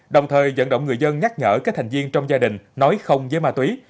đồng thời dẫn động người dân nhắc nhở các thành viên trong gia đình nói không với ma túy